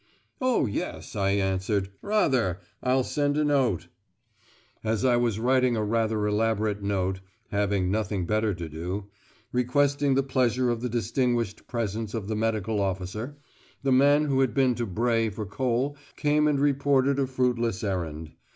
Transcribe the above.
"Oh! yes," I answered. "Rather. I'll send a note." As I was writing a rather elaborate note (having nothing better to do) requesting the pleasure of the distinguished presence of the medical officer, the man who had been to Bray for coal came and reported a fruitless errand.